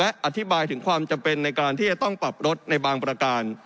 และอธิบายถึงความจำเป็นในการที่จะต้องปรับรถในบางประการ